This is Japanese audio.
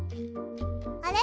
あれ？